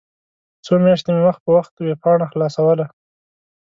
څو میاشتې مې وخت په وخت ویبپاڼه خلاصوله.